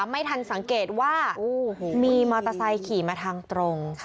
ไม่ทันสังเกตว่ามีมอเตอร์ไซค์ขี่มาทางตรง